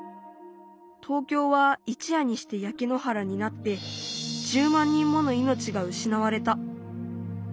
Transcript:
東京は一夜にしてやけ野原になって１０万人もの命がうしなわれた。